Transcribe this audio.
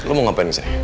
lu mau ngapain di sini